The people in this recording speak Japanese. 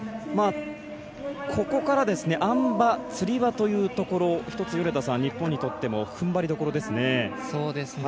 ここからあん馬、つり輪というところ１つ、米田さん、日本にとってもふんばりどころですね。